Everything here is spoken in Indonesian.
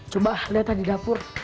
coba lihat di dapur